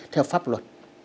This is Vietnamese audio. theo pháp luật